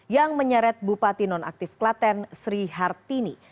yang menyeret bupati nonaktif klaten sri hartini